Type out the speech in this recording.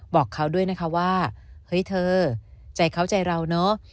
บอกเขาด้วยนะคะว่าเฮ้ยเธอใจเขาใจเราเนอะ